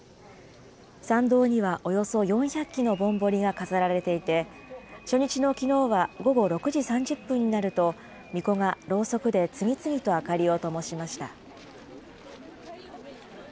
参道にはおよそ４００基のぼんぼりが飾られていて、初日のきのうは午後６時３０分になると、みこがろうそくで次々と明かりをともしました。